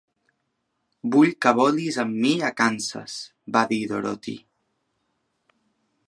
"Vull que volis amb mi a Kansas," va dir Dorothy.